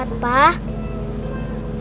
pa kok ngikatnya begitu